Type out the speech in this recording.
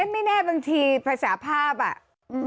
ไม่แน่บางทีภาษาภาพอ่ะ